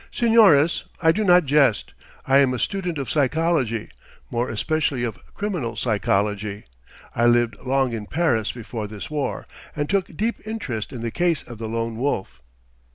"Señores, I do not jest. I am a student of psychology, more especially of criminal psychology. I lived long in Paris before this war, and took deep interest in the case of the Lone Wolf."